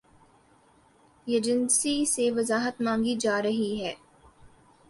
Agency سے وضاحت مانگی جا رہی ہے۔